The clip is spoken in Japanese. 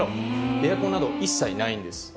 エアコンなど一切ないんです。